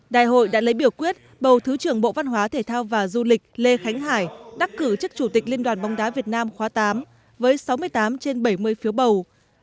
đại hội đã lấy biểu quyết bầu thứ trưởng bộ văn hóa thể thao và du lịch lê khánh hải đắc cử chức chủ tịch liên đoàn bóng đá việt nam khóa tám với sáu mươi tám trên bảy mươi phiếu bầu